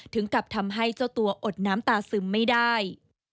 ถึงกับทำให้เจ้าตัวอดน้ำตาซึมไม่ได้